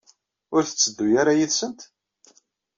Ur tetteddu ara yid-sent?